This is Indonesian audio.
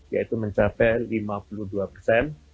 yaitu mencapai lima puluh dua persen